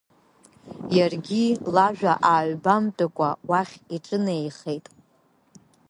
Иаргьы, лажәа ааҩбамтәыкәа, уахь иҿынеихеит.